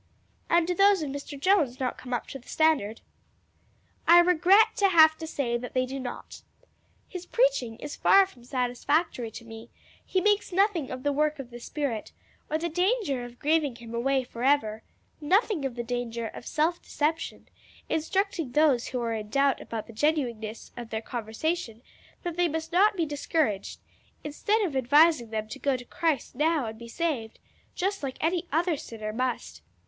"And do those of Mr. Jones not come up to the standard?" "I regret to have to say that they do not; his preaching is far from satisfactory to me; he makes nothing of the work of the Spirit, or the danger of grieving Him away forever; nothing of the danger of self deception; instructing those who are in doubt about the genuineness of their conversion that they must not be discouraged, instead of advising them to go to Christ now and be saved, just as any other sinner must.